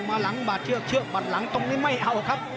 มาหลังบาดเชือกเชือกบัดหลังตรงนี้ไม่เอาครับ